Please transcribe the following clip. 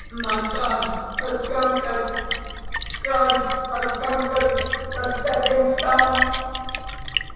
"My God has conquered! Christ has conquered the setting sun!"